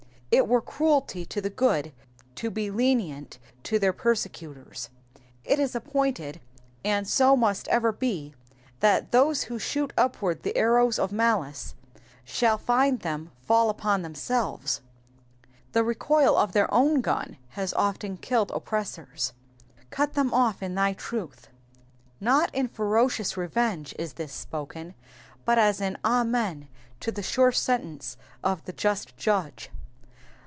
It were cruelty to the good to be lenient to their persecutors. It is appointed, and so it must ever be, that those who shoot upward the arrows of malice shall find them fall upon themselves. The recoil of their own gun has often killed oppressors. ^^Cut them off in thy truth,"* ^ Not in ferocious revenge is this spoken, but as an Amen to the sure sentence of the just Judge.